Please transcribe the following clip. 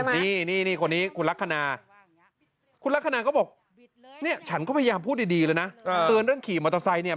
นี่คนนี้คุณลักษณะคุณลักษณะก็บอกเนี่ยฉันก็พยายามพูดดีเลยนะเตือนเรื่องขี่มอเตอร์ไซค์เนี่ย